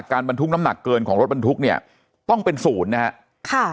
บรรทุกน้ำหนักเกินของรถบรรทุกเนี่ยต้องเป็นศูนย์นะฮะค่ะ